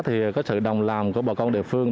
thì có sự đồng lòng của bà con địa phương